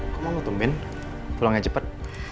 kok mau tuh ben pulangnya cepet